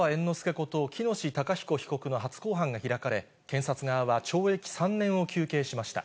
こと、喜熨斗孝彦被告の初公判が開かれ、検察側は懲役３年を求刑しました。